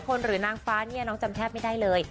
หรือนางฟ้าเนี่ยน้องจำแทบไม่ได้เลย